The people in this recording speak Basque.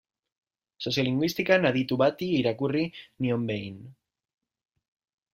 Soziolinguistikan aditu bati irakurri nion behin.